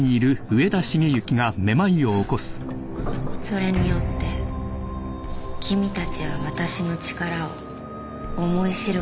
「それによって君たちは私の力を思い知ることになる」